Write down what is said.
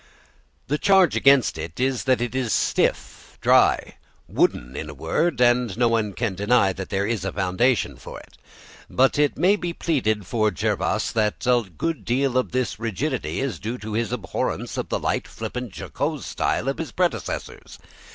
The charge against it is that it is stiff, dry "wooden" in a word, and no one can deny that there is a foundation for it. But it may be pleaded for Jervas that a good deal of this rigidity is due to his abhorrence of the light, flippant, jocose style of his predecessors.